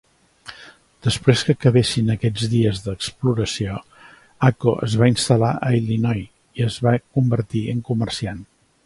Després que acabessin aquests dies d'exploració, Aco es va instal·lar a Illinois i es va convertir en comerciant.